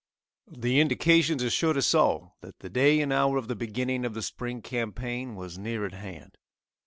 The indications assured us all that the day and hour of the beginning of the spring campaign was near at hand.